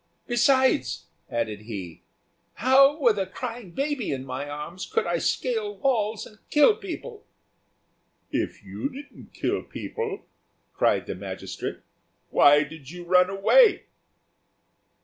Besides," added he, "how, with a crying baby in my arms, could I scale walls and kill people?" "If you didn't kill people," cried the magistrate, "why did you run away?"